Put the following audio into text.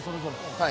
はい。